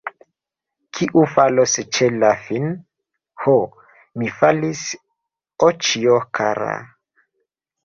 Kiu falos ĉe la fin, Ho, mi falis, oĉjo kara!